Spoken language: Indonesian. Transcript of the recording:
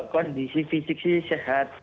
kondisi fisik sih sehat